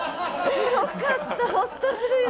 よかったホッとするよ。